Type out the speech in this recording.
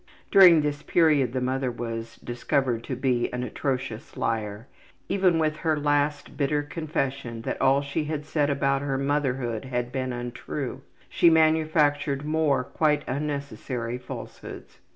During this period the mother was discovered to be an atrocious liar; even with her last bitter confession that all she had said about her motherhood had been untrue, she manufactured more quite unnecessary falsehoods.